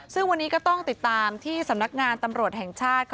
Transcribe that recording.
ซึ่งวันนี้ก็ต้องติดตามที่สำนักงานตำรวจแห่งชาติ